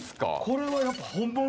「これはやっぱ本物？」